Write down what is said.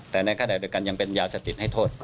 แต่ในขณะเดียวกันยังเป็นยาเสพติดให้โทษ